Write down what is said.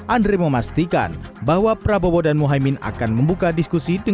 andre memastikan bahwa prabowo dan muhaymin akan membuka diskusi